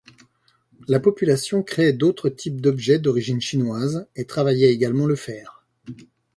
La population créait d'autres types d'objets d'origine chinoise, et travaillait également le fer.